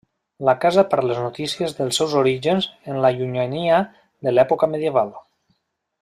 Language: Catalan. La casa perd les notícies dels seus orígens en la llunyania de l'època medieval.